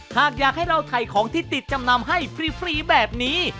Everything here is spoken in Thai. หากอยากให้เราถ่ายของที่ติดจำนำให้ฟรีแบบนี้